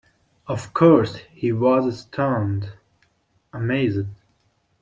Of course, he was stunned, amazed.